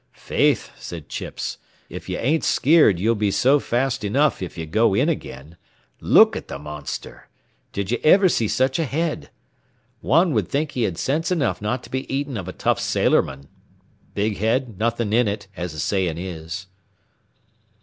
"Faith," said Chips, "if ye ain't skeered ye'll be so fast enough if ye go in agin. Look at th' monster! Did ye iver see sech a head? Wan would think he had sense enough not to be eatin' av a tough sailorman. Big head, nothin' in it, as the sayin' is."